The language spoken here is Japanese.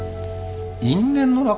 因縁の仲？